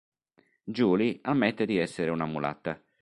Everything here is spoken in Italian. Julie ammette di essere una mulatta.